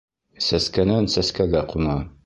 Сәскәнән сәскәгә ҡуна.